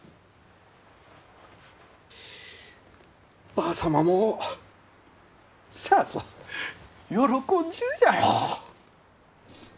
ばあ様もさぞ喜んじゅうじゃろう。